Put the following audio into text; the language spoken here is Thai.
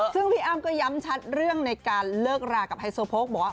ซึ่งพี่อ้ามก็ย้ำชัดเรื่องในการเลิกราดกับไฮซอลโพลกบอส